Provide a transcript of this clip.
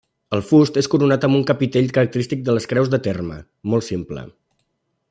El fust és coronat amb un capitell característic de les creus de terme, molt simple.